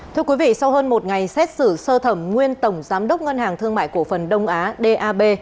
thưa quý vị sau hơn một ngày xét xử sơ thẩm nguyên tổng giám đốc ngân hàng thương mại cổ phần đông á dab